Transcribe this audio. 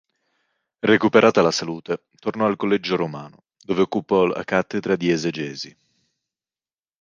Recuperata la salute, tornò al Collegio Romano, dove occupò la cattedra di esegesi.